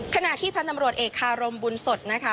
ขณะที่พันธุ์ตำรวจเอกคารมบุญสดนะคะ